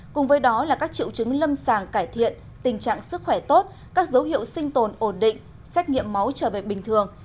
cùng với đó là các triệu chứng lâm sàng cải thiện tình trạng sức khỏe tốt các dấu hiệu sinh tồn ổn định xét nghiệm máu trở về bình thường